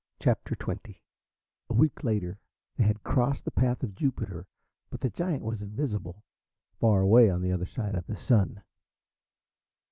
CHAPTER XX A week later they crossed the path of Jupiter, but the giant was invisible, far away on the other side of the Sun.